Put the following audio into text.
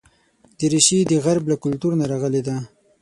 دریشي د غرب له کلتور نه راغلې ده.